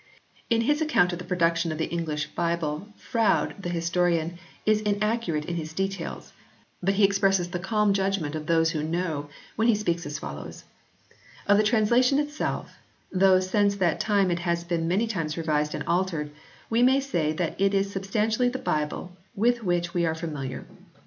In his account of the production of the English Bible Froude the historian is inaccurate in his details, but he expresses the calm judgment of those who know when he speaks as follows :" Of the translation itself, though since that time it has been many times revised and altered, we may say that it is substantially the Bible with which we are familiar.